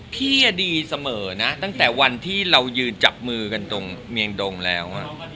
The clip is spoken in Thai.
พี่ดีเสมอนะตั้งแต่วันที่เรายืนจับมือกันตรงเมียงดงแล้ว